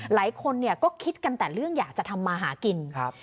หลายคนเนี่ยก็คิดกันแต่เรื่องอยากจะทำมาหากินครับ